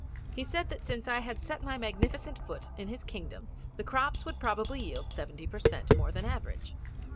He said that since I had set my magnificent foot in his Kingdom the crops would probably yield seventy per cent. more than the average.